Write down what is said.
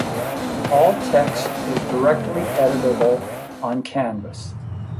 All text is directly editable on canvas.